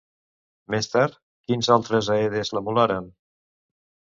Més tard, quins altres aedes l'emularen?